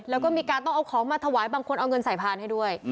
แล้วก็มีการต้องเอาของมาถวายบางคนเอาเงินใส่พานให้ด้วย